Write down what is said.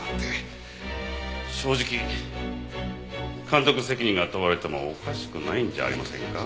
正直監督責任が問われてもおかしくないんじゃありませんか？